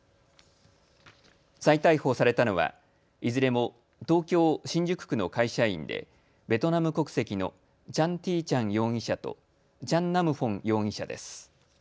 再逮捕されたのはいずれも東京新宿区の会社員でベトナム国籍のチャン・ティー・チャン容疑者とチャン・ナム・フォン容疑者です。